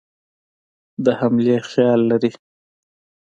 د حملې خیال لري.